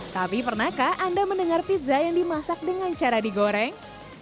tapi pernahkah anda mendengar pizza yang dimasak dengan cara digoreng